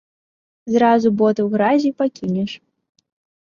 Зразу боты ў гразі пакінеш.